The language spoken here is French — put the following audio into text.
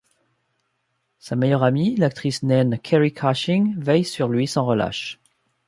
Sa meilleure amie, l'actrice naine Kerry Cushing, veille sur lui sans relâche.